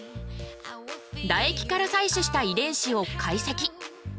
唾液から採取した遺伝子を解析。